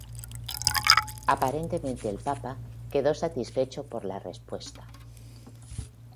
Aparentemente el Papa quedó satisfecho por la respuesta.